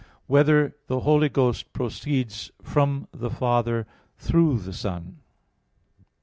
3] Whether the Holy Ghost Proceeds from the Father Through the Son?